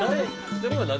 それは何？